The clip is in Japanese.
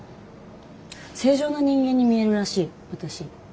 正常な人間に見えるらしい私。